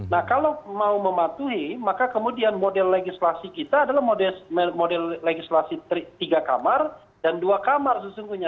nah kalau mau mematuhi maka kemudian model legislasi kita adalah model legislasi tiga kamar dan dua kamar sesungguhnya